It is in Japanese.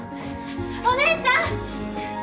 お姉ちゃん！